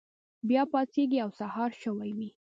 بیا پاڅیږي او سهار شوی وي.